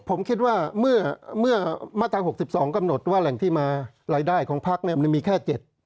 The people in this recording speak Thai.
ผมคิดว่าเมื่อมาตรา๖๒กำหนดว่าแหล่งที่มารายได้ของพักมันมีแค่๗